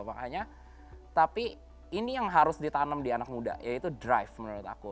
makanya tapi ini yang harus ditanam di anak muda yaitu drive menurut aku